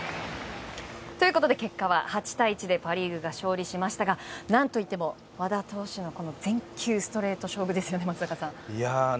ということで、結果は８対１でパ・リーグが勝利しましたがなんといっても和田投手の全球ストレート勝負ですね松坂さん。